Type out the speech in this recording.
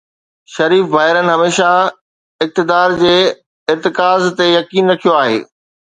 شريف ڀائرن هميشه اقتدار جي ارتکاز تي يقين رکيو آهي.